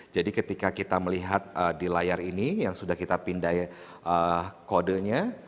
jadi ketika kita melihat di layar ini yang sudah kita pindah kodenya